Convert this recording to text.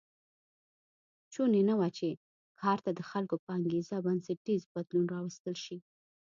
شونې نه وه چې کار ته د خلکو په انګېزه بنسټیز بدلون راوستل شي